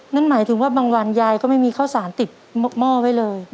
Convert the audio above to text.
นั่นหมายถึงว่าบางวันยายก็ไม่มีข้าวสารติดหม้อไว้เลย